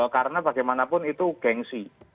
karena bagaimanapun itu gengsi